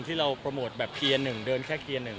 ที่เราโปรโมทแบบเกียร์หนึ่งเดินแค่เกียร์หนึ่ง